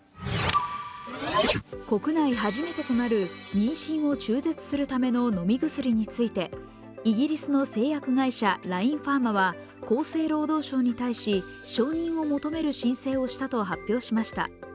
国内初めてとなる妊娠を中絶するための飲み薬についてイギリスの製薬会社、ラインファーマは厚生労働省に対し、承認を求める申請をしたと発表しました。